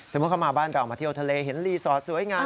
เข้ามาบ้านเรามาเที่ยวทะเลเห็นรีสอร์ทสวยงาม